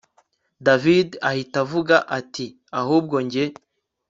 david ahita avuga ati ahubwo njye